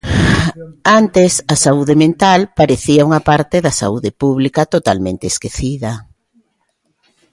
Antes a saúde mental parecía unha parte da saúde pública totalmente esquecida.